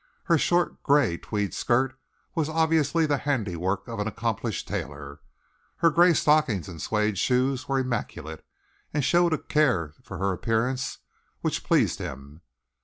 Her short, grey tweed skirt was obviously the handiwork of an accomplished tailor. Her grey stockings and suede shoes were immaculate and showed a care for her appearance which pleased him.